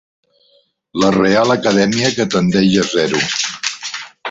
La Real Acadèmia que tendeix a zero.